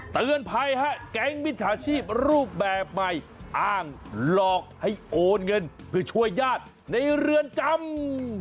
เตือนภัยฮะแก๊งมิจฉาชีพรูปแบบใหม่อ้างหลอกให้โอนเงินเพื่อช่วยญาติในเรือนจำ